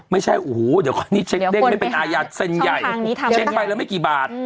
ไม่ใช่โอ้โหเดี๋ยวก่อนนี้เช็คเด้งไม่เป็นอาญาเซ็นใหญ่เช็คไปแล้วไม่กี่บาท